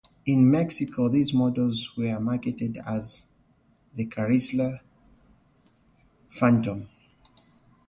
In Mexico, these models were marketed as the Chrysler Phantom.